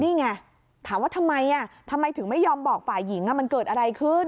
นี่ไงถามว่าทำไมทำไมถึงไม่ยอมบอกฝ่ายหญิงมันเกิดอะไรขึ้น